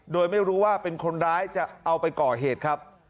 โดยไม่รู้ว่าเป็นคนร้ายจะเอาไปก่อเหตุครับ